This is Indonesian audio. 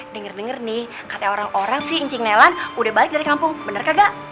denger dua nih kata orang dua si ncing nelan udah balik dari kampung bener kagak